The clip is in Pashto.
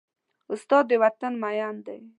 استاد د وطن مین دی.